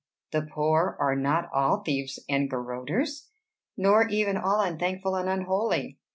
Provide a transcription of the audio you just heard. The poor are not all thieves and garroters, nor even all unthankful and unholy.